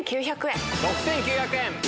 ６９００円。